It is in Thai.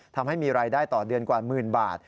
ทำให้มีรายได้ต่อเดือนกว่าหมื่นบาท